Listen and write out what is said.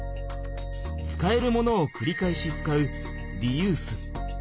使えるものをくり返し使うリユース。